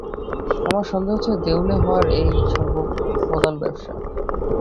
আমার সন্দেহ হচ্ছে দেউলে হওয়াই ওর সর্বপ্রধান ব্যবসা।